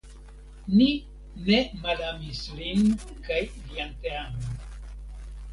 Ni ne malamis lin kaj lian teamon.